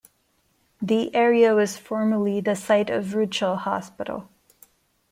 The area was formerly the site of Ruchill Hospital.